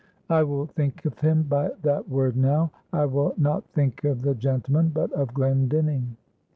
I will think of him by that word now; I will not think of the gentleman, but of Glendinning.